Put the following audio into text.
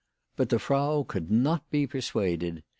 " But the Frau could not be persuaded.